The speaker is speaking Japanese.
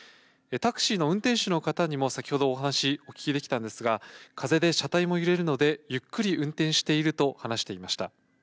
タクシーの運転手の方にも先ほどお話お聞きできたんですが、風で車体も揺れるので、ゆっくり運転していると話していました。